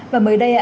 và mới đây